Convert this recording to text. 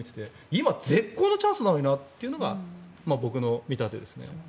今、絶好のチャンスなのになっていうのが僕の見立てですね。